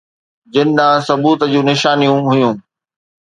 جن ڏانهن نبوت جون نشانيون هيون